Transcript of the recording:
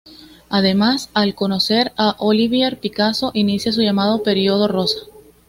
Además, al conocer a Olivier, Picasso inicia su llamado Periodo Rosa.